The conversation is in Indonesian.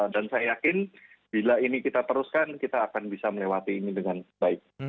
dan saya yakin bila ini kita teruskan kita akan bisa melewati ini dengan baik